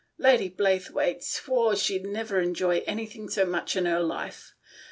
Lady Blaythewaite swore she'd never enjoyed any thing so much in her life.